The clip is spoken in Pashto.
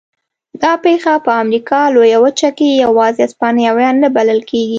دا پېښه په امریکا لویه وچه کې یوازې هسپانویان نه بلل کېږي.